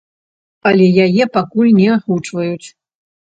Але яе пакуль не агучваюць.